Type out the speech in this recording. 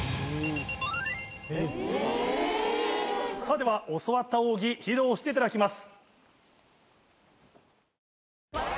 では教わった奥義披露していただきます。